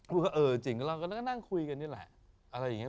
พูดว่าเออจริงก็เราก็นั่งคุยกันนี่แหละ